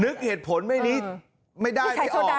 นึกเหตุผลไม่ได้มีออก